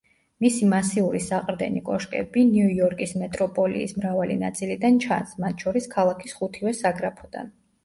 მისი მასიური საყრდენი კოშკები ნიუ-იორკის მეტროპოლიის მრავალი ნაწილიდან ჩანს, მათ შორის ქალაქის ხუთივე საგრაფოდან.